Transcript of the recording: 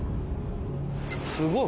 すごい！